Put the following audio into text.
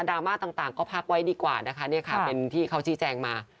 ดราม่าต่างก็พักไว้ดีกว่าเป็นที่เขาที่แจ้งมา